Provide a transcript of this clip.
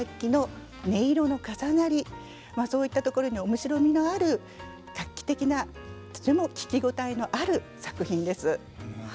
まあそういったところに面白みのある画期的なとても聴き応えのある作品です。